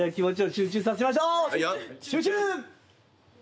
集中！